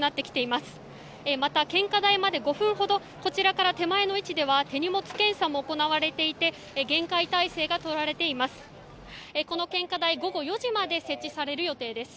また、献花台まで５分ほどこちらから手前の位置では手荷物検査も行われていて厳戒態勢が取られています。